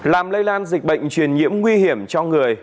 làm lây lan dịch bệnh truyền nhiễm nguy hiểm cho người